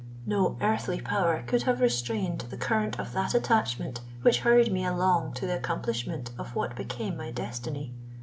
No earthly power could have restrained the current of that attachment which hurried me along to the accomplishment of what became my destiny.